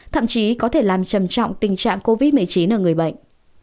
thậm chí có thể làm trầm trọng tình trạng covid một mươi chín ở người bệnh